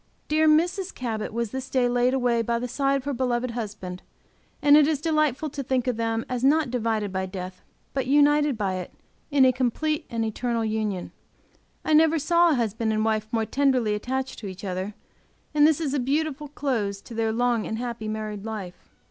Dear Mrs. Cabot was this day laid away by the side of her beloved husband, and it is delightful to think of them as not divided by death, but united by it in a complete and eternal union. I never saw a husband and wife more tenderly attached to each other, and this is a beautiful close to their long and happy married life.